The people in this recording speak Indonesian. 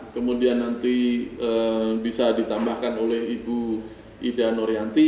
kemudian nanti bisa ditambahkan oleh ibu ida norianti